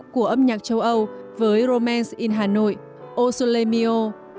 của âm nhạc châu âu với romans in hà nội osulemio